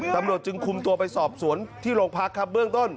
ตำรวจจึงคุมตัวไปสอบสวนที่โรงพักครับเบื้องต้น